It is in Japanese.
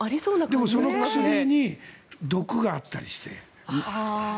でもその薬に毒があったりして。